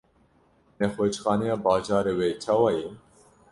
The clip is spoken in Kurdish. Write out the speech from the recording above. Nexweşxaneya bajarê we çawa ye?